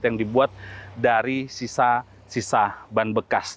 yang dibuat dari sisa sisa ban bekas